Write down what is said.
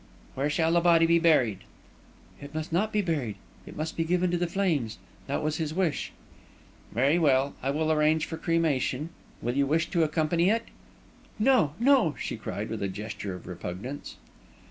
"Where shall the body be buried?" "It must not be buried. It must be given to the flames. That was his wish." "Very well. I will arrange for cremation. Will you wish to accompany it?" "No, no!" she cried, with a gesture of repugnance.